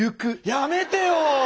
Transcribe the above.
やめてよ！